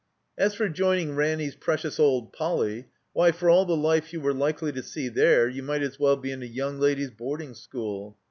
As for joining Ranny's precious old Poly., why, for all the Life you were likely to see there, you might as well be in a yotmg ladies' boarding school.